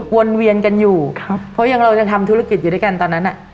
วนเวียนกันอยู่ครับเพราะยังเรายังทำธุรกิจอยู่ด้วยกันตอนนั้นอ่ะ